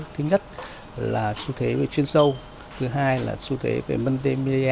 thứ nhất là xu thế về chuyên sâu thứ hai là xu thế về mt